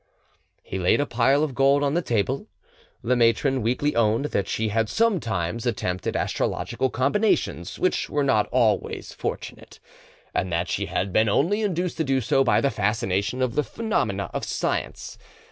He laid a pile of gold on the table. The matron weakly owned that she had sometimes attempted astrological combinations which were not always fortunate, and that she had been only induced to do so by the fascination of the phenomena of science.